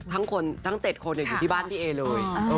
ทั้งคนทั้งเจ็บคนอยู่ที่บ้านพี่เอเลย